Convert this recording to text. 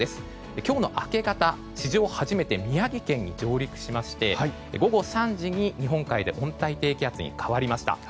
今日の明け方、史上初めて宮城県に上陸しまして午後３時に日本海で温帯低気圧に変わりました。